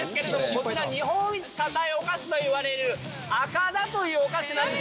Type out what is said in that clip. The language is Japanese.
こちら日本一硬いお菓子といわれる「あかだ」というお菓子なんです。